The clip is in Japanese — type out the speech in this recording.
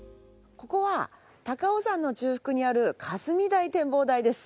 ここは高尾山の中腹にある霞台展望台です。